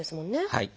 はい。